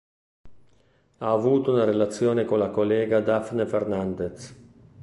Ha avuto una relazione con la collega Dafne Fernández.